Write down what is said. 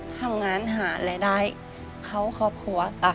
ทำงานหารายได้เข้าครอบครัว